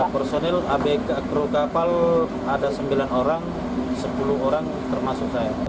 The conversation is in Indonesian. personil kapal ada sembilan orang sepuluh orang termasuk saya